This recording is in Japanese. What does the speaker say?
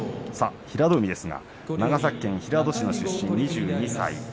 平戸海ですが長崎県平戸市の出身２２歳です。